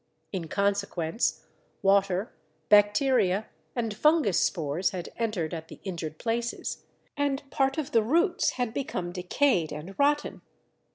In consequence, water, bacteria, and fungus spores had entered at the injured places, and part of the roots had become decayed and rotten.